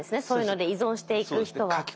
そういうので依存していく人は。